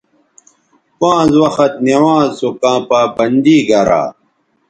پانز وخت سونوانز سو کاں پابندی گرا